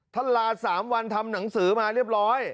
ลา๓วันทำหนังสือมาเรียบร้อย